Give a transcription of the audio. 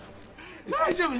大丈夫。